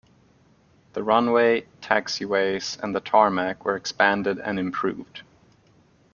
The runway, taxiways and the tarmac were expanded and improved.